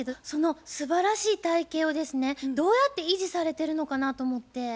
そのすばらしい体型をですねどうやって維持されてるのかなと思って。